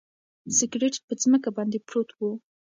سګرټ په ځمکه باندې پروت و.